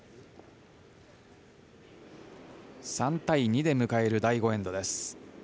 ３対２で迎える第５エンドです。